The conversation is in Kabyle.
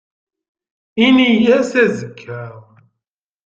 Ini-as azekka.